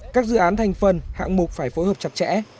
các dự án thành phần hạng mục phải phối hợp chặt chẽ